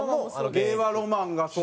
令和ロマンがそう。